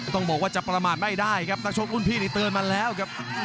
ต้องบอกว่าจะประมาทได้ด้ายครับนังชกอุ้นพี่เนี่ยเติอนมาแล้วกับ